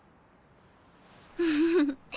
フフフ。